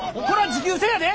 持久戦やで。